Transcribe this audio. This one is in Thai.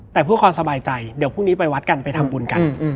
แต่เพื่อความสบายใจเดี๋ยวพรุ่งนี้ไปวัดกันไปทำบุญกัน